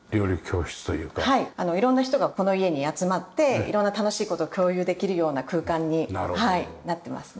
色んな人がこの家に集まって色んな楽しい事を共有できるような空間になってますね。